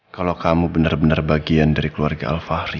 kalau kamu benar benar bagian dari keluarga alfahri